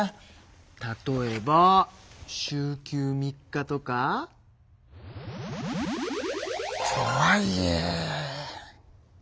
例えば週休３日とか。とはいえ。